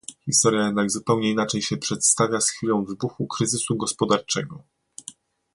Historia jednak zupełnie inaczej się przedstawia z chwilą wybuchu kryzysu gospodarczego